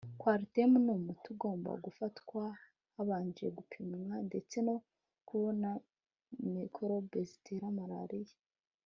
coartem ni umuti ugomba gufatwa habanje gupimwa ndetse no kubona mikorobe zitera malariya